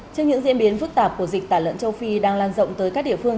trước những diễn biến phức tạp của dịch tả lợn châu phi đang lan rộng tới các địa phương